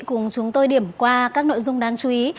cùng chúng tôi điểm qua các nội dung đáng chú ý